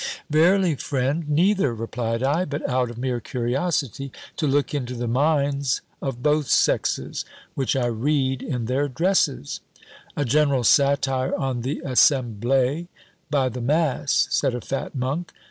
"Verily, friend, neither," replied I: "but out of mere curiosity, to look into the minds of both sexes; which I read in their dresses." "A general satire on the assemblée, by the mass!" said a fat Monk.